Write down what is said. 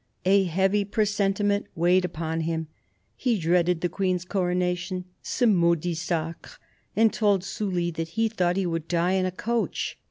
A heavy presentiment weighed upon him. He dreaded the Queen's coronation — "ce maudit sacra "— and told Sully that he knew he would die in a coach.